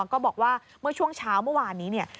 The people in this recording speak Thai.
ก็บอกว่าเมื่อช่วงเช้าเมื่อวานนี้เนี่ย